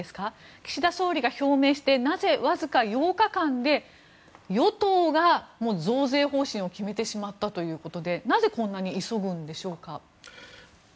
岸田総理が表明してなぜ、わずか８日間で与党が増税方針を決めてしまったということでなぜ、こんなに急ぐんでしょうか？